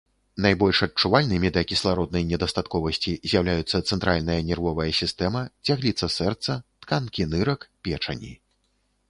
Найбольш адчувальнымі да кіслароднай недастатковасці з'яўляюцца цэнтральная нервовая сістэма, цягліца сэрца, тканкі нырак, печані.